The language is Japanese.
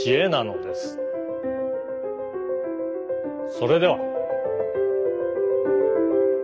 それでは。